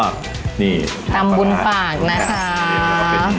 จำบุญฝากนะครับ